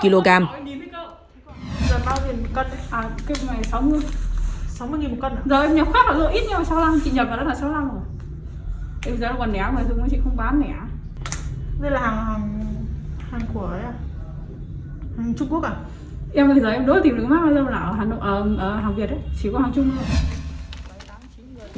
em ở thế giới em đốt tìm được mác bây giờ là hàng việt chỉ còn hàng trung quốc